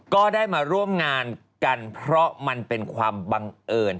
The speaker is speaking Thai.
ก็ได้มาร่วมงานกันเพราะมันเป็นความบังเอิญ